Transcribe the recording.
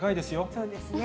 そうですね。